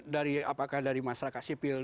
dari apakah dari masyarakat sipil